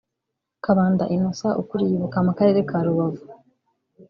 Kabanda Innocent ukuriye ibuka mu karere ka Rubavu